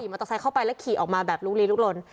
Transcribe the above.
มอเตอร์ไซค์เข้าไปแล้วขี่ออกมาแบบลุกลีลุกลน